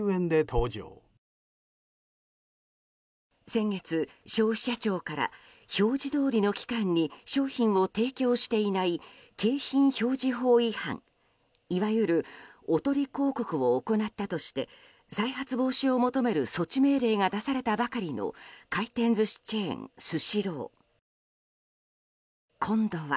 先月、消費者庁から表示どおりの期間に商品を提供していない景品表示法違反いわゆるおとり広告を行ったとして再発防止を求める措置命令が出されたばかりの回転寿司チェーン、スシロー。今度は。